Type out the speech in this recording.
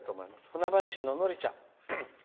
船橋市の、のりちゃん。